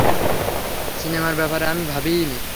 সিনেমার ব্যাপারে আমি ভাবিইনি!